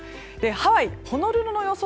ハワイ・ホノルルの予想